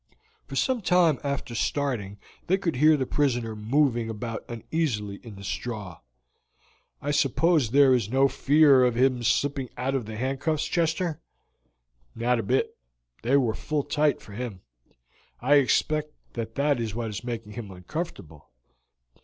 For some time after starting they could hear the prisoner moving about uneasily in the straw. "I suppose there is no fear of his slipping out of those handcuffs, Chester?" "Not a bit; they are full tight for him. I expect that that is what is making him uncomfortable."